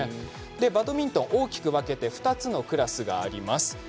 バドミントン、大きく分けて２つのクラスがあります。